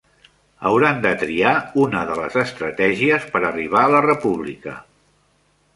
Hauran de triar una de les estratègies per arribar a la República